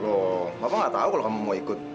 loh papa nggak tahu kalau kamu mau ikut